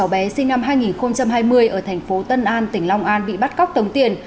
bé sinh năm hai nghìn hai mươi ở thành phố tân an tỉnh long an bị bắt cóc tống tiền